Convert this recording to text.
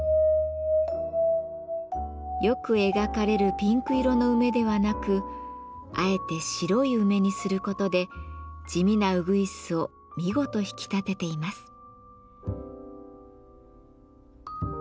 よく描かれるピンク色の梅ではなくあえて白い梅にすることで地味なうぐいすを見事引き立てています。